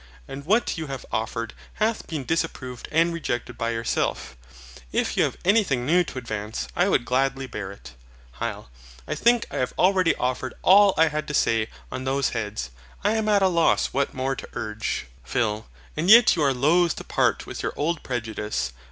And what you have offered hath been disapproved and rejected by yourself. If you have anything new to advance I would gladly bear it. HYL. I think I have already offered all I had to say on those heads. I am at a loss what more to urge. PHIL. And yet you are loath to part with your old prejudice.